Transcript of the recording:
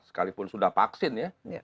sekalipun sudah vaksin ya